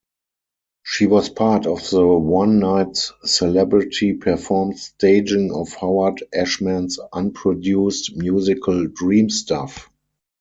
She was part of the one-night celebrity-performed staging of Howard Ashman's unproduced musical "Dreamstuff".